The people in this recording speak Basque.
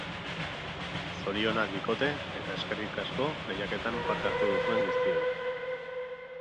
Zorionak bikote eta eskerrik asko lehiaketan parte hartu duzuen guztioi.